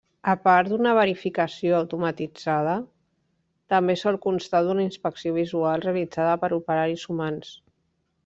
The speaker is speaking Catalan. A part d’una verificació automatitzada, també sol constar d’una inspecció visual realitzada per operaris humans.